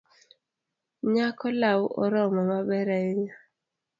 Nyako lau oromo maber ahinya.